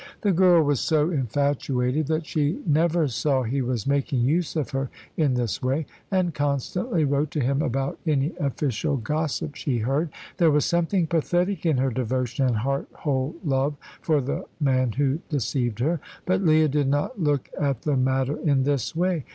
The girl was so infatuated that she never saw he was making use of her in this way, and constantly wrote to him about any official gossip she heard. There was something pathetic in her devotion and heart whole love for the man who deceived her. But Leah did not look at the matter in this way.